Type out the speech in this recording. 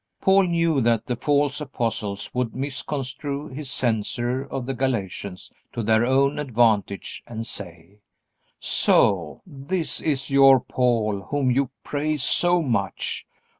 Paul knew that the false apostles would misconstrue his censure of the Galatians to their own advantage and say: "So this is your Paul whom you praise so much.